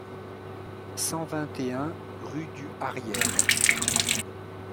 cent vingt et un rue du Hariel